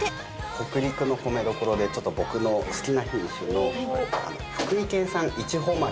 北陸の米どころでちょっと僕の好きな品種の福井県産いちほまれ頂きます。